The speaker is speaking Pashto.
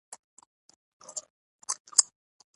د افغانستان د اقتصادي پرمختګ لپاره پکار ده چې نندارتون وي.